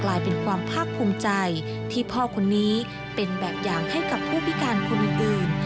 ลายเป็นความภาคภูมิใจที่พ่อคนนี้เป็นแบบอย่างให้กับผู้พิการคนอื่น